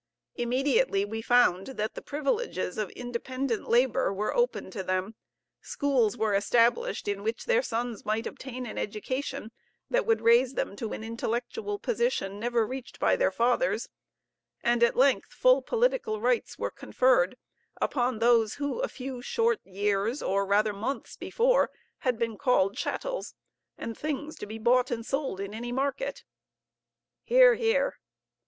Immediately we found that the privileges of independent labor were open to them, schools were established in which their sons might obtain an education that would raise them to an intellectual position never reached by their fathers; and at length full political rights were conferred upon those who a few short years, or rather months, before, had been called chattels, and things to be bought and sold in any market. (Hear, hear.)